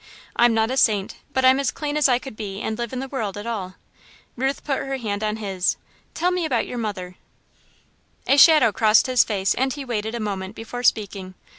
I'm not a saint, but I'm as clean as I could be, and live in the world at all." Ruth put her hand on his. "Tell me about your mother." A shadow crossed his face and he waited a moment before speaking.